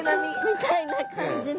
みたいな感じの。